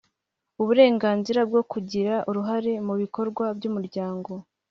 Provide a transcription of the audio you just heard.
Uburenganzira bwo kugira uruhare mu bikorwa byumuryango